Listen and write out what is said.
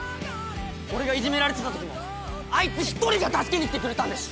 俺がいじめられてたときもあいつ一人が助けに来てくれたんです！